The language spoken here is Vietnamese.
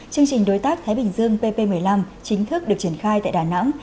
chương trình đối tác thái bình dương pp một mươi năm chính thức được triển khai tại đà nẵng